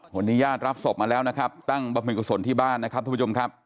วันนี้ญาติรับศพมาแล้วนะครับตั้งบำเพ็ญกุศลที่บ้านนะครับทุกผู้ชมครับ